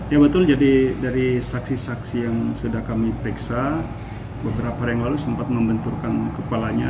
ya betul jadi dari saksi saksi yang sudah kami periksa beberapa hari yang lalu sempat membenturkan kepalanya